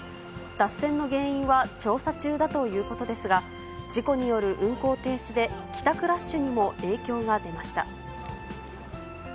脱線の原因は調査中だということですが、事故による運行停止で、帰宅ラッシュにも影響が出ました。